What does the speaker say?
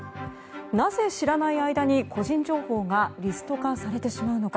なぜ知らない間に個人情報がリスト化されてしまうのか。